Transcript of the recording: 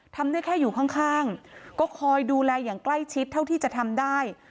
ทำได้แค่อยู่ข้างก็คอยดูแลอย่างใกล้ชิดเท่าที่จะทำได้